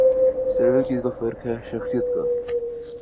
صرف ایک چیز کا فرق ہے، شخصیت کا۔